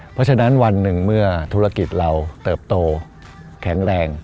เพราะฉะนั้นวันหนึ่งเมื่อธุรกิจเราเติบโตแข็งแรง